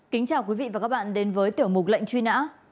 kính chào quý vị và các bạn đến với tiểu mục lệnh truy nã